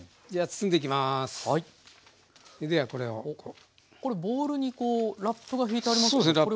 おっこれボウルにこうラップがひいてありますね。